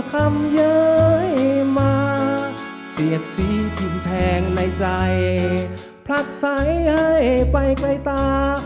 คำเย้ยมาเสียดสีทิมแทงในใจผลักใสให้ไปไกลตา